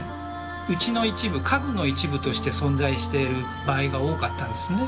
うちの一部家具の一部として存在している場合が多かったんですね。